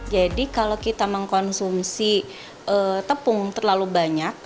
jadi kalau kita mengkonsumsi tepung terlalu banyak